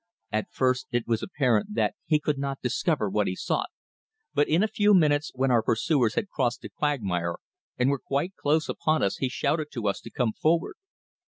At first it was apparent that he could not discover what he sought, but in a few minutes when our pursuers had crossed the quagmire and were quite close upon us he shouted to us to come forward.